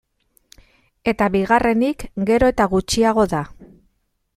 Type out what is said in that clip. Eta bigarrenik, gero eta gutxiago da.